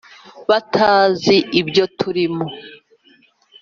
batazi ibyo tulimo